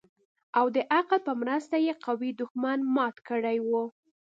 او د عقل په مرسته يې قوي دښمن مات کړى و.